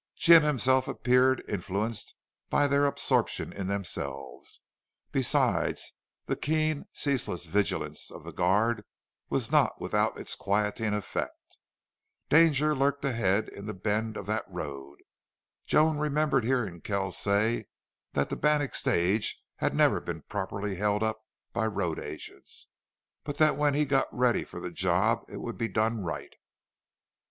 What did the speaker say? Jim himself appeared influenced by their absorption in themselves. Besides, the keen, ceaseless vigilance of the guard was not without its quieting effect. Danger lurked ahead in the bends of that road. Joan remembered hearing Kells say that the Bannack stage had never been properly held up by road agents, but that when he got ready for the job it would be done right.